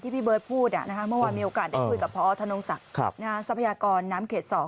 เมื่อวานมีโอกาสได้พูดกับพธนงศักดิ์ทรัพยากรน้ำเขตศอก